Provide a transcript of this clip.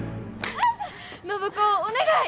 暢子お願い！